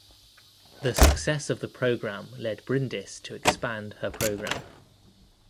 The success of the programme led Brindis to expand her programme.